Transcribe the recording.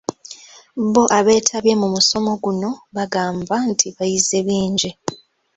Bo abeetabye mu musomo guno, bagamba nti baayize bingi.